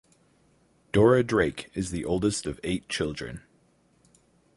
Dora Drake is the oldest of eight children.